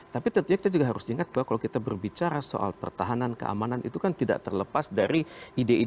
tapi tentunya kita juga harus ingat bahwa kalau kita berbicara soal pertahanan keamanan itu kan tidak terlepas dari ide ide